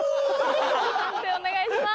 判定お願いします。